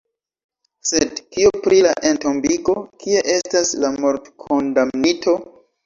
Sed kio pri la entombigo, kie estas la mortkondamnito?